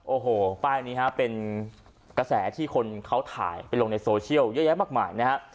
โอ้โหป้ายนี้ฮะเป็นกระแสที่คนเขาถ่ายไปลงในโซเชียลเยอะแยะมากมายนะฮะ